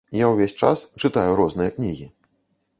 Я ўвесь час чытаю розныя кнігі.